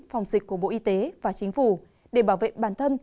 phòng dịch của bộ y tế và chính phủ để bảo vệ bản thân